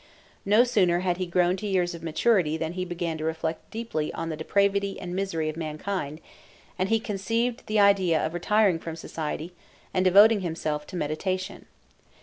No sooner had he grown to years of maturity than he began to reflect deeply on the depravity and misery of mankind, and he conceived the idea of retiring from society and devoting himself to meditation.